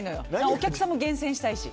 お客さんも厳選したいし。